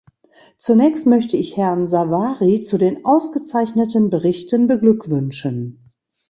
Zunächst möchte ich Herrn Savary zu den ausgezeichneten Berichten beglückwünschen.